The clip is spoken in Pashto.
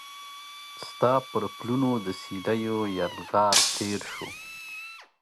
ستا پر پلونو د سیلېو یلغار تیر شو